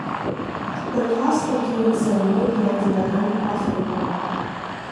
The cost of doing so made the idea unprofitable.